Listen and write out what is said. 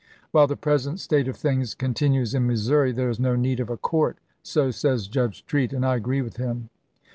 "While the present state of things continues in Missouri there is no need of a court ; so says Judge Treat, and I agree with him."